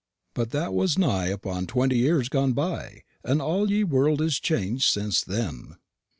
but that was nigh upon twenty years gone by, and all ye world is changed since then.'